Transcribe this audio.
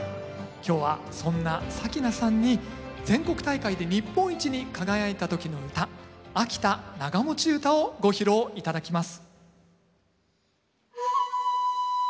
今日はそんな咲菜さんに全国大会で日本一に輝いた時の唄「秋田長持唄」をご披露頂きます。